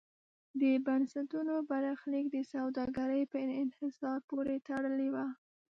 د بنسټونو برخلیک د سوداګرۍ په انحصار پورې تړلی و.